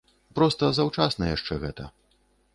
Проста заўчасна яшчэ гэта.